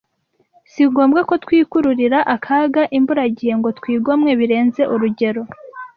si ngombwa ko twikururira akaga imburagihe ngo twigomwe birenze urugero